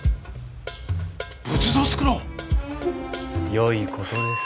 よいことです。